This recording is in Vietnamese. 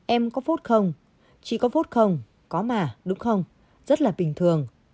em có phốt không chị có phốt không có mà đúng không rất là bình thường